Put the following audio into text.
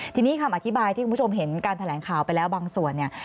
ทีนี้คำอธิบายที่คุณผู้ชมเห็นการแถลงข่าวไปแล้วบางส่วนเนี่ย